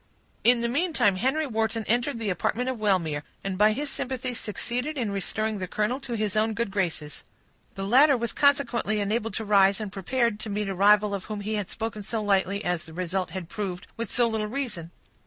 In the meantime, Henry Wharton entered the apartment of Wellmere, and by his sympathy succeeded in restoring the colonel to his own good graces. The latter was consequently enabled to rise, and prepared to meet a rival of whom he had spoken so lightly, and, as the result had proved, with so little reason.